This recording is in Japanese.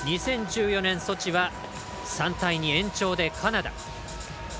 ２０１４年、ソチは３対２延長でカナダ。